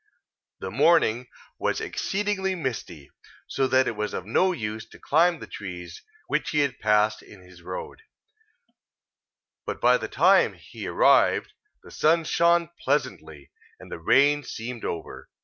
The morning was exceedingly misty, so that it was of no use to climb the trees which he passed in his road; but by the time he arrived, the sun shone pleasantly, and the rain seemed over.